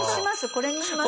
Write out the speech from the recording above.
これにします。